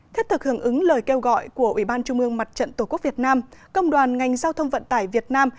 thết thực hưởng ứng lời kêu gọi của ubnd tổ quốc việt nam công đoàn ngành giao thông vận tải việt nam